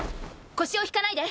腰を引かないで。